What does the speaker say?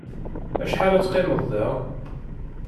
Acḥal ad teqqimeḍ da?